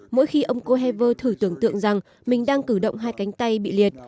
mỗi khi ông kohever thử tưởng tượng rằng mình đang cử động hai cánh tay bị liệt